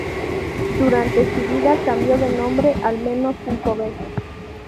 Durante su vida cambió de nombre al menos cinco veces.